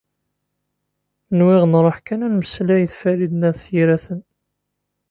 Nwiɣ nruḥ kan ad nemmeslay d Farid n At Yiraten.